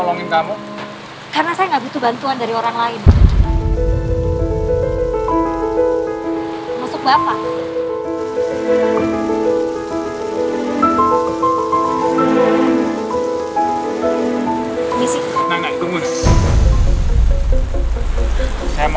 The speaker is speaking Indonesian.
mendingnya udah sampe